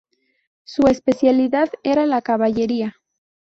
Su especialidad era la caballería.